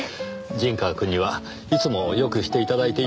陣川くんにはいつもよくして頂いています。